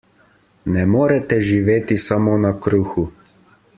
Ne morete živeti samo na kruhu.